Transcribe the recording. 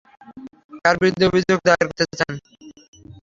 কার বিরুদ্ধে অভিযোগ দায়ের করতে চান?